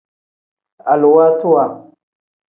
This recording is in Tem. Aluwaatiwa.